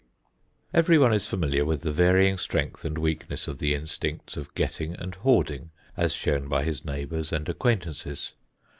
Everyone is familiar with the varying strength and weakness of the instincts of getting and hoarding as shown by his neighbors and acquaintances.